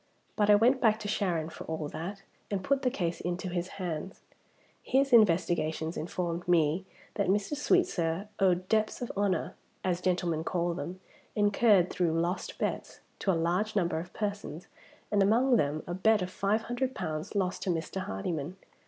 But I went back to Sharon, for all that, and put the case into his hands. His investigations informed me that Mr. Sweetsir owed 'debts of honor' (as gentlemen call them), incurred through lost bets, to a large number of persons, and among them a bet of five hundred pounds lost to Mr. Hardyman.